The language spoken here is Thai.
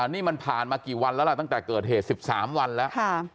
นี่มันผ่านมากี่วันแล้วล่ะตั้งแต่เกิดเหตุ๑๓วันแล้ว